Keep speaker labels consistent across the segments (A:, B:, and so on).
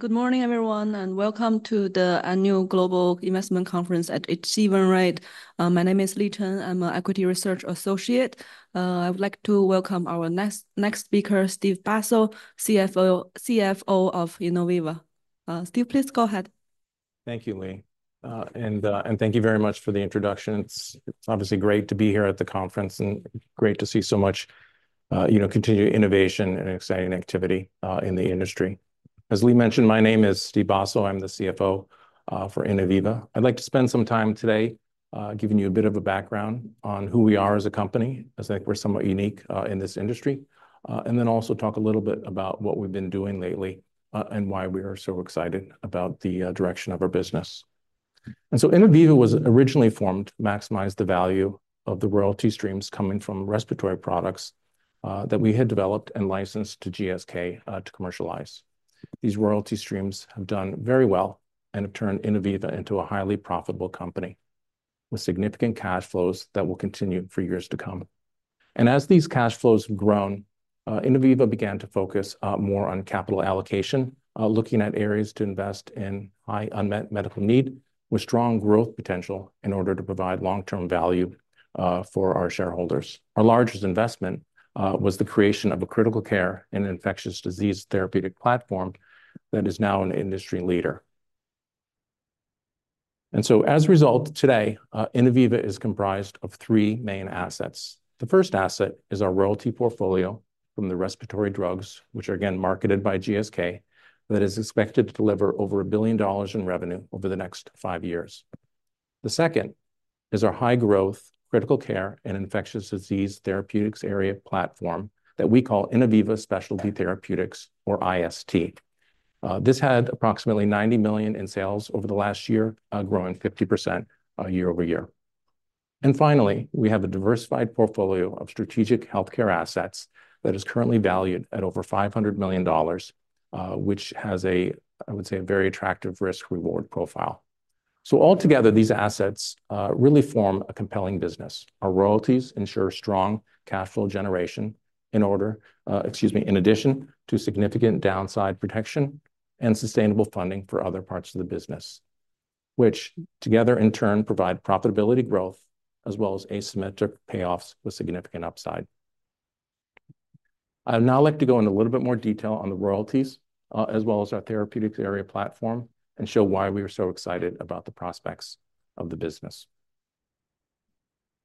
A: Good morning, everyone, and welcome to the Annual Global Investment Conference at H.C. Wainwright. My name is Li Chen. I'm an Equity Research Associate. I would like to welcome our next speaker, Steve Basso, CFO of Innoviva. Steve, please go ahead.
B: Thank you, Li. And thank you very much for the introduction. It's obviously great to be here at the conference and great to see so much, you know, continued innovation and exciting activity in the industry. As Li mentioned, my name is Steve Basso. I'm the CFO for Innoviva. I'd like to spend some time today giving you a bit of a background on who we are as a company, as, like, we're somewhat unique in this industry. And then also talk a little bit about what we've been doing lately and why we are so excited about the direction of our business. And so Innoviva was originally formed to maximize the value of the royalty streams coming from respiratory products that we had developed and licensed to GSK to commercialize. These royalty streams have done very well and have turned Innoviva into a highly profitable company with significant cash flows that will continue for years to come, and as these cash flows have grown, Innoviva began to focus more on capital allocation looking at areas to invest in high unmet medical need with strong growth potential in order to provide long-term value for our shareholders. Our largest investment was the creation of a critical care and infectious disease therapeutic platform that is now an industry leader, and so, as a result, today Innoviva is comprised of three main assets. The first asset is our royalty portfolio from the respiratory drugs, which are again marketed by GSK, that is expected to deliver over $1 billion in revenue over the next five years. The second is our high-growth critical care and infectious disease therapeutics area platform that we call Innoviva Specialty Therapeutics, or IST. This had approximately $90 million in sales over the last year, growing 50%, year-over-year. And finally, we have a diversified portfolio of strategic healthcare assets that is currently valued at over $500 million, which has a, I would say, a very attractive risk-reward profile. So altogether, these assets really form a compelling business. Our royalties ensure strong cash flow generation in order, excuse me, in addition to significant downside protection and sustainable funding for other parts of the business, which together, in turn, provide profitability growth, as well as asymmetric payoffs with significant upside. I'd now like to go into a little bit more detail on the royalties, as well as our therapeutics area platform, and show why we are so excited about the prospects of the business.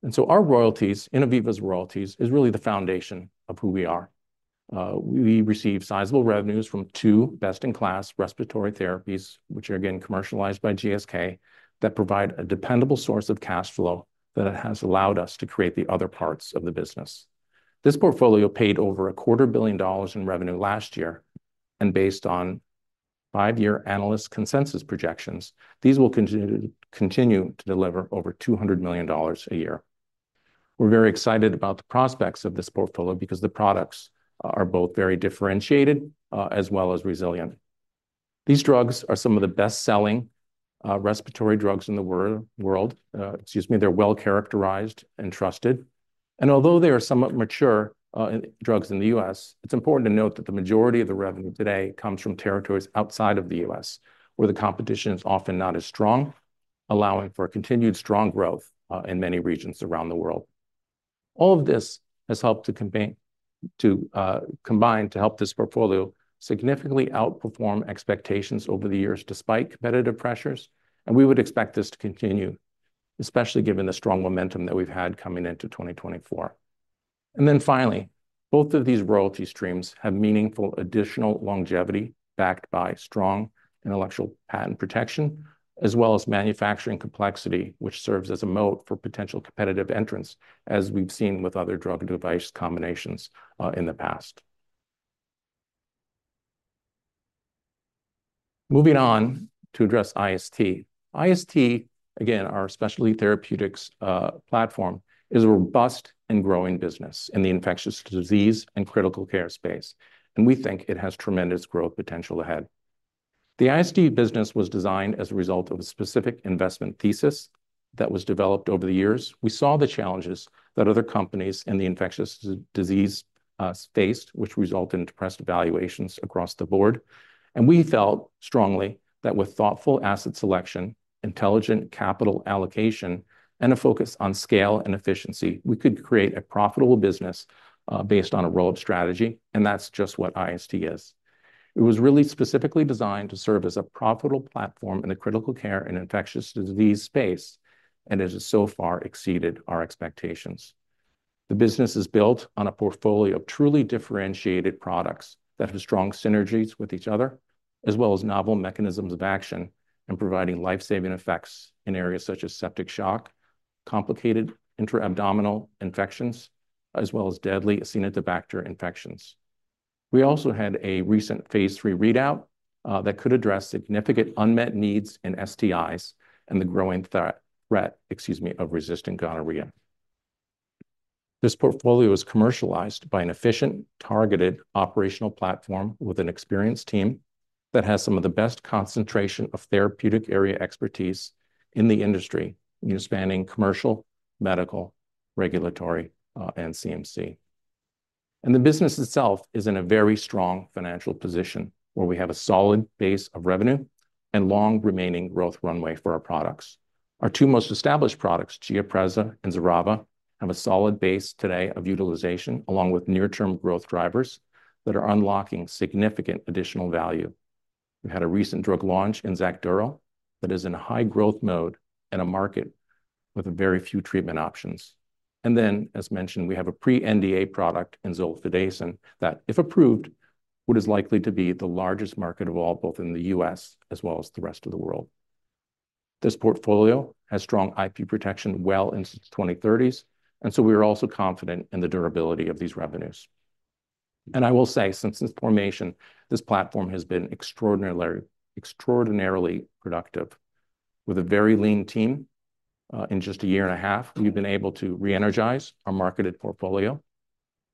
B: And so our royalties, Innoviva's royalties, is really the foundation of who we are. We receive sizable revenues from two best-in-class respiratory therapies, which are again commercialized by GSK, that provide a dependable source of cash flow that has allowed us to create the other parts of the business. This portfolio paid over $250 million in revenue last year, and based on five-year analyst consensus projections, these will continue to deliver over $200 million a year. We're very excited about the prospects of this portfolio because the products are both very differentiated, as well as resilient. These drugs are some of the best-selling respiratory drugs in the world, excuse me. They're well-characterized and trusted, and although they are somewhat mature drugs in the U.S., it's important to note that the majority of the revenue today comes from territories outside of the U.S., where the competition is often not as strong, allowing for continued strong growth in many regions around the world. All of this has helped to combine to help this portfolio significantly outperform expectations over the years, despite competitive pressures, and we would expect this to continue, especially given the strong momentum that we've had coming into 2024. And then finally, both of these royalty streams have meaningful additional longevity, backed by strong intellectual property patent protection, as well as manufacturing complexity, which serves as a moat for potential competitive entrants, as we've seen with other drug device combinations in the past. Moving on to address IST. IST, again, our specialty therapeutics platform, is a robust and growing business in the infectious disease and critical care space, and we think it has tremendous growth potential ahead. The IST business was designed as a result of a specific investment thesis that was developed over the years. We saw the challenges that other companies in the infectious disease faced, which resulted in depressed valuations across the board. We felt strongly that with thoughtful asset selection, intelligent capital allocation, and a focus on scale and efficiency, we could create a profitable business based on a roll-up strategy, and that's just what IST is. It was really specifically designed to serve as a profitable platform in the critical care and infectious disease space and has so far exceeded our expectations. The business is built on a portfolio of truly differentiated products that have strong synergies with each other, as well as novel mechanisms of action in providing life-saving effects in areas such as septic shock, complicated intra-abdominal infections, as well as deadly Acinetobacter infections. We also had a recent Phase III readout that could address significant unmet needs in STIs and the growing threat, excuse me, of resistant gonorrhea. This portfolio is commercialized by an efficient, targeted operational platform with an experienced team that has some of the best concentration of therapeutic area expertise in the industry, spanning commercial, medical, regulatory, and CMC. And the business itself is in a very strong financial position, where we have a solid base of revenue and long-remaining growth runway for our products. Our two most established products, GIAPREZA and XERAVA, have a solid base today of utilization, along with near-term growth drivers that are unlocking significant additional value. We've had a recent drug launch in XACDURO that is in a high-growth mode in a market with a very few treatment options. And then, as mentioned, we have a pre-NDA product in zoliflodacin that, if approved, what is likely to be the largest market of all, both in the U.S. as well as the rest of the world. This portfolio has strong IP protection well into twenty-thirties, and so we are also confident in the durability of these revenues, and I will say, since its formation, this platform has been extraordinarily, extraordinarily productive, with a very lean team. In just a year and a half, we've been able to re-energize our marketed portfolio.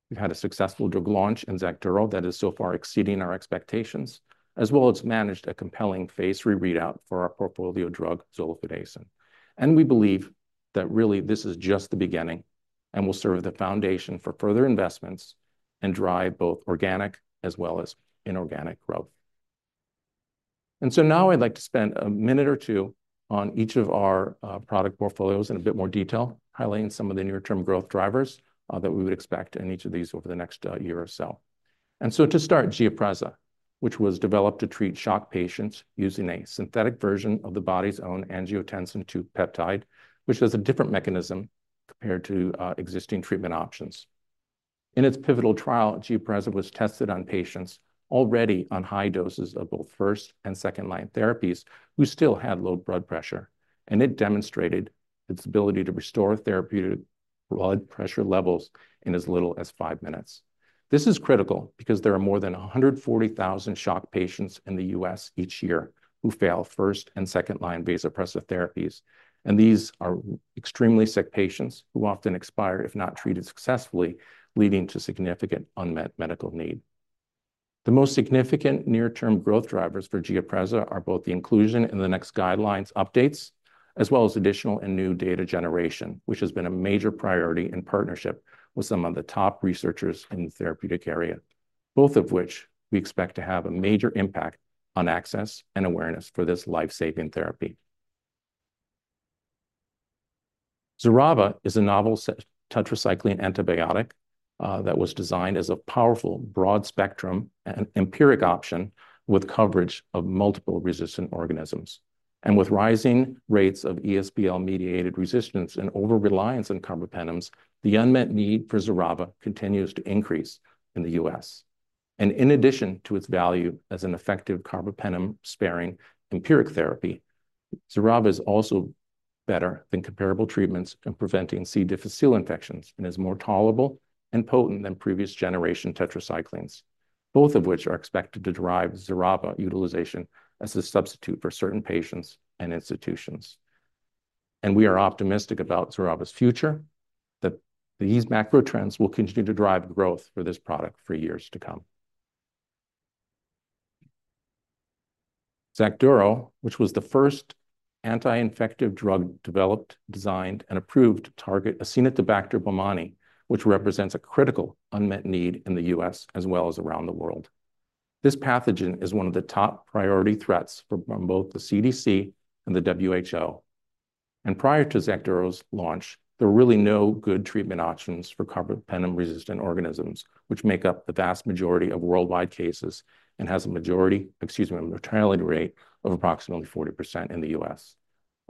B: We've had a successful drug launch in XACDURO that is so far exceeding our expectations, as well as managed a compelling Phase III readout for our portfolio drug, zoliflodacin, and we believe that really this is just the beginning and will serve as the foundation for further investments and drive both organic as well as inorganic growth. And so now I'd like to spend a minute or two on each of our product portfolios in a bit more detail, highlighting some of the near-term growth drivers that we would expect in each of these over the next year or so. And so to start, GIAPREZA, which was developed to treat shock patients using a synthetic version of the body's own angiotensin II peptide, which has a different mechanism compared to existing treatment options. In its pivotal trial, GIAPREZA was tested on patients already on high doses of both first and second-line therapies, who still had low blood pressure, and it demonstrated its ability to restore therapeutic blood pressure levels in as little as five minutes. This is critical because there are more than 140,000 shock patients in the U.S. each year who fail first- and second-line vasopressor therapies, and these are extremely sick patients who often expire if not treated successfully, leading to significant unmet medical need. The most significant near-term growth drivers for GIAPREZA are both the inclusion in the next guidelines updates, as well as additional and new data generation, which has been a major priority in partnership with some of the top researchers in the therapeutic area, both of which we expect to have a major impact on access and awareness for this life-saving therapy. XERAVA is a novel synthetic tetracycline antibiotic that was designed as a powerful, broad-spectrum and empiric option with coverage of multiple resistant organisms. With rising rates of ESBL-mediated resistance and over-reliance on carbapenems, the unmet need for XERAVA continues to increase in the U.S. In addition to its value as an effective carbapenem-sparing empiric therapy, XERAVA is also better than comparable treatments in preventing C. difficile infections and is more tolerable and potent than previous-generation tetracyclines, both of which are expected to drive XERAVA utilization as a substitute for certain patients and institutions. We are optimistic about XERAVA's future, that these macro trends will continue to drive growth for this product for years to come. XACDURO, which was the first anti-infective drug developed, designed, and approved to target Acinetobacter baumannii, which represents a critical unmet need in the U.S. as well as around the world. This pathogen is one of the top priority threats for both the CDC and the WHO. Prior to XACDURO's launch, there were really no good treatment options for carbapenem-resistant organisms, which make up the vast majority of worldwide cases and has a majority, excuse me, a mortality rate of approximately 40% in the U.S.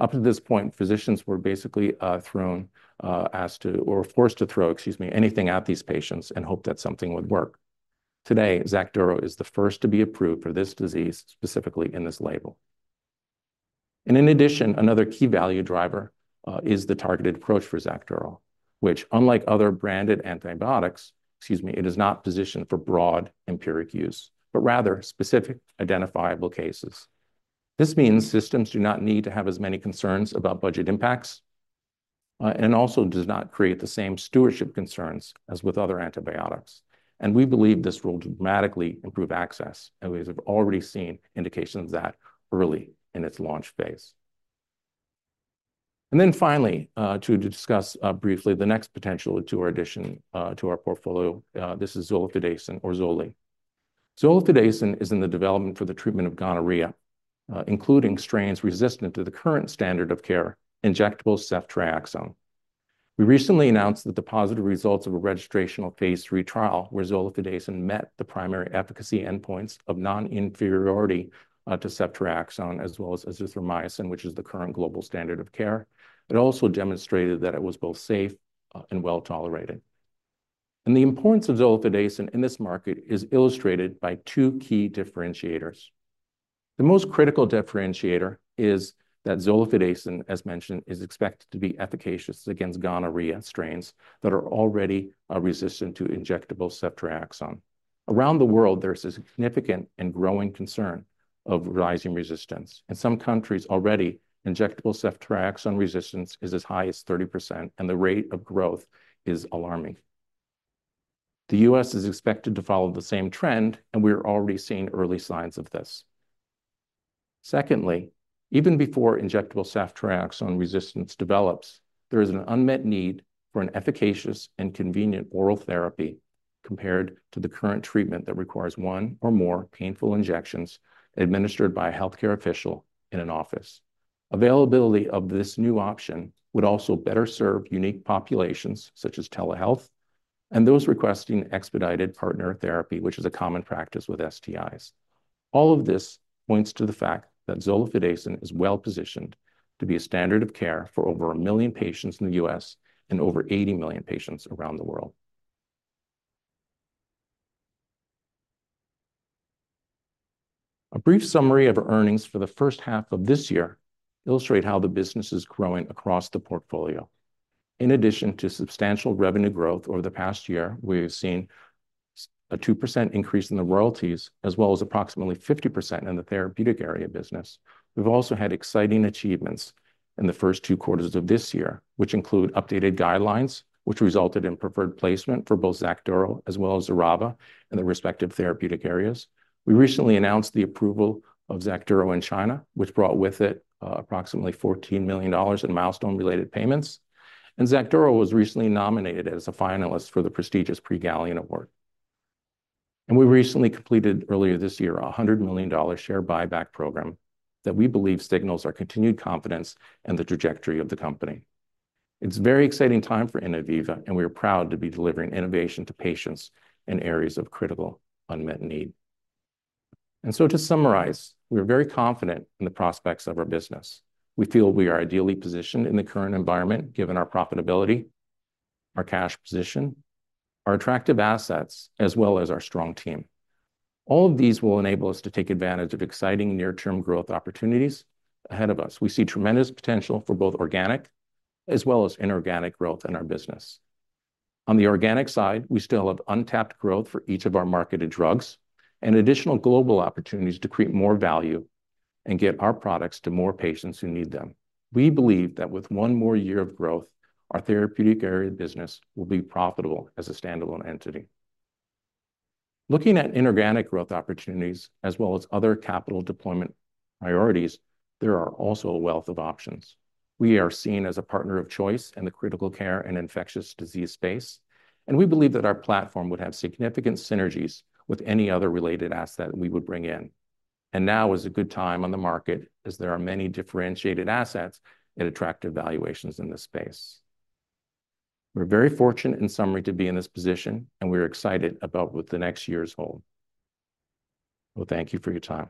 B: Up to this point, physicians were basically thrown, asked to, or forced to throw, excuse me, anything at these patients and hope that something would work. Today, XACDURO is the first to be approved for this disease, specifically in this label. In addition, another key value driver is the targeted approach for XACDURO, which, unlike other branded antibiotics, excuse me, it is not positioned for broad empiric use, but rather specific identifiable cases. This means systems do not need to have as many concerns about budget impacts, and also does not create the same stewardship concerns as with other antibiotics. We believe this will dramatically improve access, and we have already seen indications of that early in its launch phase. Then finally, to discuss briefly the next potential addition to our portfolio, this is zoliflodacin or ZOLI. Zolifodacin is in the development for the treatment of gonorrhea, including strains resistant to the current standard of care, injectable ceftriaxone. We recently announced the positive results of a registrational Phase III trial, where zoliflodacin met the primary efficacy endpoints of non-inferiority to ceftriaxone, as well as azithromycin, which is the current global standard of care. It also demonstrated that it was both safe and well-tolerated. The importance of zoliflodacin in this market is illustrated by two key differentiators. The most critical differentiator is that zoliflodacin, as mentioned, is expected to be efficacious against gonorrhea strains that are already resistant to injectable ceftriaxone. Around the world, there's a significant and growing concern of rising resistance. In some countries already, injectable ceftriaxone resistance is as high as 30%, and the rate of growth is alarming. The U.S. is expected to follow the same trend, and we are already seeing early signs of this. Secondly, even before injectable ceftriaxone resistance develops, there is an unmet need for an efficacious and convenient oral therapy compared to the current treatment that requires one or more painful injections administered by a healthcare official in an office. Availability of this new option would also better serve unique populations, such as telehealth and those requesting expedited partner therapy, which is a common practice with STIs. All of this points to the fact that zoliflodacin is well-positioned to be a standard of care for over a million patients in the U.S. and over 80 million patients around the world. A brief summary of our earnings for the first half of this year illustrate how the business is growing across the portfolio. In addition to substantial revenue growth over the past year, we've seen a 2% increase in the royalties, as well as approximately 50% in the therapeutic area business. We've also had exciting achievements in the first two quarters of this year, which include updated guidelines, which resulted in preferred placement for both XACDURO as well as XERAVA in the respective therapeutic areas. We recently announced the approval of XACDURO in China, which brought with it approximately $14 million in milestone-related payments, and XACDURO was recently nominated as a finalist for the prestigious Prix Galien Award. And we recently completed, earlier this year, a $100 million share buyback program that we believe signals our continued confidence in the trajectory of the company. It's a very exciting time for Innoviva, and we are proud to be delivering innovation to patients in areas of critical unmet need. And so, to summarize, we are very confident in the prospects of our business. We feel we are ideally positioned in the current environment, given our profitability, our cash position, our attractive assets, as well as our strong team. All of these will enable us to take advantage of exciting near-term growth opportunities ahead of us. We see tremendous potential for both organic as well as inorganic growth in our business. On the organic side, we still have untapped growth for each of our marketed drugs and additional global opportunities to create more value and get our products to more patients who need them. We believe that with one more year of growth, our therapeutic area business will be profitable as a standalone entity. Looking at inorganic growth opportunities as well as other capital deployment priorities, there are also a wealth of options. We are seen as a partner of choice in the critical care and infectious disease space, and we believe that our platform would have significant synergies with any other related asset we would bring in. And now is a good time on the market, as there are many differentiated assets and attractive valuations in this space. We're very fortunate, in summary, to be in this position, and we are excited about what the next years hold. Thank you for your time.